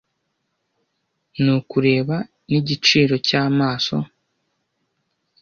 nukureba n igiciro cy amaso